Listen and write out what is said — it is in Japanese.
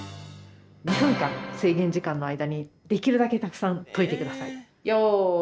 ２分間制限時間の間にできるだけたくさん解いて下さい。